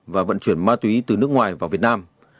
và vận chuyển ma túy từ nước ngoài vào việt nam